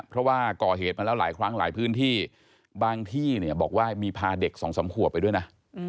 เพราะว่าก่อเหตุมาแล้วหลายครั้งหลายพื้นที่บางที่เนี่ยบอกว่ามีพาเด็กสองสามขวบไปด้วยนะ